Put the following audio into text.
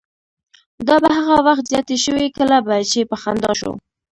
دا به هغه وخت زیاتې شوې کله به چې په خندا شو.